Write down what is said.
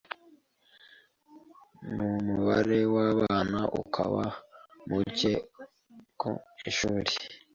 n’umubare w’abana ukaba muke mu ishuli